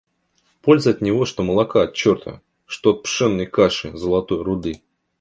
Пользы от него, что молока от черта, что от пшенной каши — золотой руды.